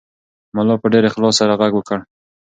ملا په ډېر اخلاص سره غږ وکړ.